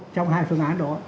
trong hai phương án đó